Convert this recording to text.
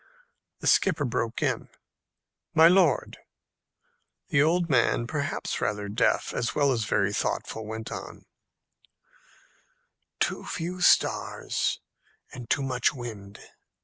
The skipper broke in, "My lord!" The old man, perhaps rather deaf as well as very thoughtful, went on, "Too few stars, and too much wind.